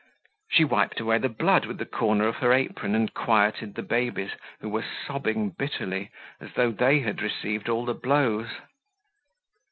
She wiped away the blood with the corner of her apron and quieted the babies, who were sobbing bitterly, as though they had received all the blows.